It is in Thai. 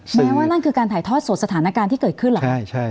แม้ว่านั่นคือการถ่ายทอดสดสถานการณ์ที่เกิดขึ้นเหรอ